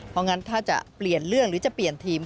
เพราะงั้นถ้าจะเปลี่ยนเรื่องหรือจะเปลี่ยนทีม